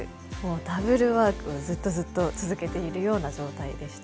ダブルワークをずっとずっと続けているような状態でした。